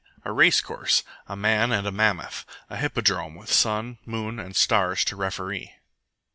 A race course! A man and a mammoth! A hippodrome, with sun, moon, and stars to referee!